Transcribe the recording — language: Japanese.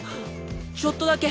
ちょっとだけ！